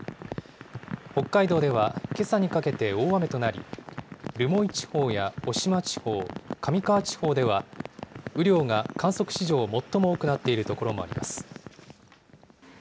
北海道では、けさにかけて大雨となり、留萌地方や渡島地方、上川地方では雨量が観測史上最も多くなっている所もあります。